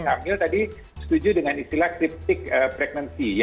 proses hamil tadi setuju dengan istilah kriptik pregnancy